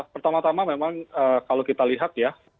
pertama tama memang kalau kita lihat ya